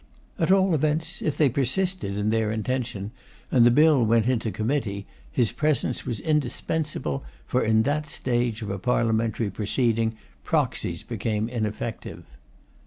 At all events, if they persisted in their intention, and the Bill went into committee, his presence was indispensable, for in that stage of a parliamentary proceeding proxies become ineffective.